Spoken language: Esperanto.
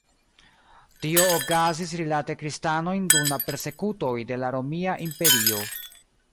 Tio okazis rilate kristanojn dum la persekutoj de la Romia Imperio.